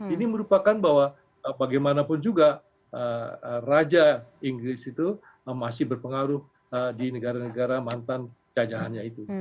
ini merupakan bahwa bagaimanapun juga raja inggris itu masih berpengaruh di negara negara mantan jajahannya itu